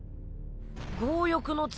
強欲の罪